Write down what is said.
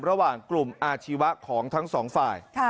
ระหว่างกลุ่มอาชีวะของทั้งสองฝ่าย